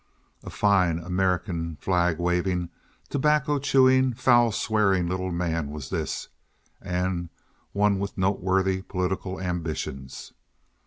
A fine American, flag waving, tobacco chewing, foul swearing little man was this—and one with noteworthy political ambitions.